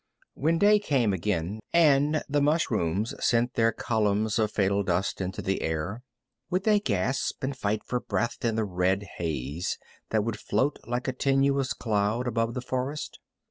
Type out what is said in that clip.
When day came again and the mushrooms sent their columns of fatal dust into the air would they gasp and fight for breath in the red haze that would float like a tenuous cloud above the forest?